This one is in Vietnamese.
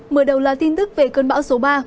mở đầu là tin tức về cơn bão số ba